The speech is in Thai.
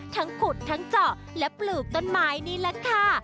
ขุดทั้งเจาะและปลูกต้นไม้นี่แหละค่ะ